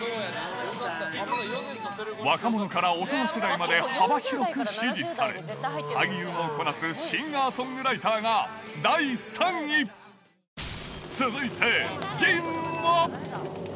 若者から大人世代まで幅広く支持され、俳優もこなすシンガーソングライターが第３位。続いて銀は？